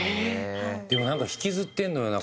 でもなんか引きずってんのよな